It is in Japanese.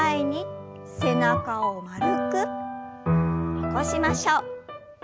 起こしましょう。